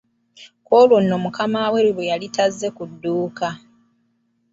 Ku olwo nno mukama we lwe yali tazze ku dduuka.